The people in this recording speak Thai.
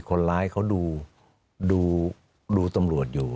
คนร้ายเขาดูดูตำรวจอยู่